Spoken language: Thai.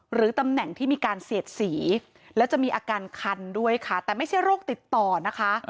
ตำแหน่งที่มีการเสียดสีแล้วจะมีอาการคันด้วยค่ะแต่ไม่ใช่โรคติดต่อนะคะ